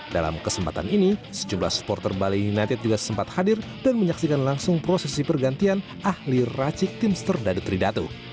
dalam kesempatan ini sejumlah supporter bali united juga sempat hadir dan menyaksikan langsung prosesi pergantian ahli racik tim serdadu tridatu